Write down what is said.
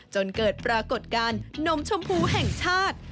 จนเกิดปรากฏการณ์นมชมพูแห่งชาติ